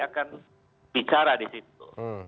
akan bicara disitu